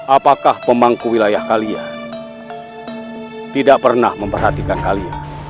apakah pemangku wilayah kalian tidak pernah memperhatikan kalian